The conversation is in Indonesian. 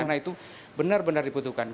karena itu benar benar dibutuhkan